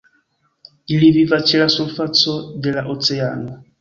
Ili vivas ĉe la surfaco de la oceano.